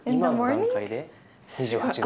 ２８度。